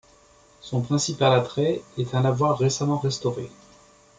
Son principal attrait est un lavoir récemment restauré.